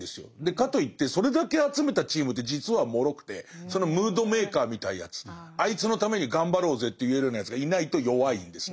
かといってそれだけ集めたチームって実はもろくてそのムードメーカーみたいなやつあいつのために頑張ろうぜって言えるようなやつがいないと弱いんですね。